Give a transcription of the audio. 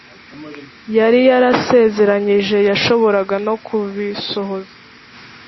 Yari yarasezeranyije yashoboraga no kubisohoza